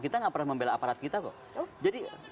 kita nggak pernah membela aparat kita kok jadi